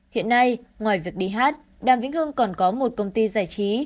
hiện nay ngoài việc đi hát đàm vĩnh hưng còn có một công ty giải trí